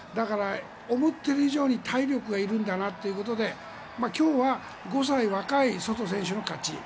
思った以上に体力がいるんだなということで今日は５歳若いソト選手の勝ち。